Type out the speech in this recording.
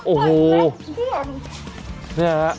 โอ้โห